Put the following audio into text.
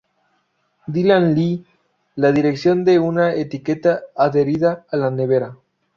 Dylan lee la dirección de una etiqueta adherida a la nevera.